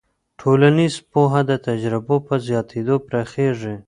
ټولنیز پوهه د تجربو په زیاتېدو پراخېږي.